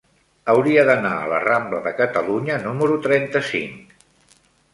Hauria d'anar a la rambla de Catalunya número trenta-cinc.